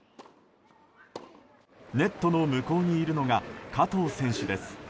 ネットの向こうにいるのが加藤選手です。